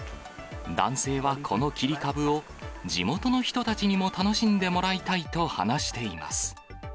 男性はこの切り株を、地元の人たちにも楽しんでもらいたいと話しています。